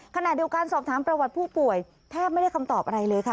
ขณะเดียวกันสอบถามประวัติผู้ป่วยแทบไม่ได้คำตอบอะไรเลยค่ะ